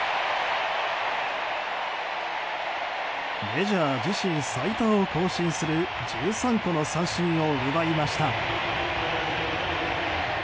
メジャー自身最多を更新する１３個の三振を奪いました。